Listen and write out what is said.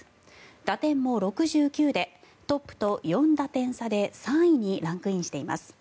打点も６９でトップと４打点差で３位にランクインしています。